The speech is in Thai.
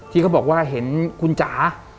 ที่เขาบอกว่าเห็นคุณจ๋า